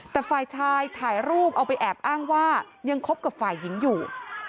แต่ฝ่ายชายถ่ายรูปเอาไปแอบอ้างว่ายังคบกับฝ่ายหญิงอยู่